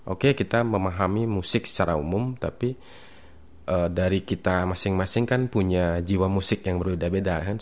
oke kita memahami musik secara umum tapi dari kita masing masing kan punya jiwa musik yang berbeda beda